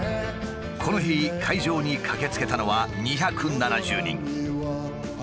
この日会場に駆けつけたのは２７０人。